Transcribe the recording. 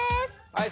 はい